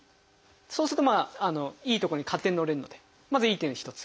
そうするとまあいい所に勝手にのれるのでまずいい点一つ。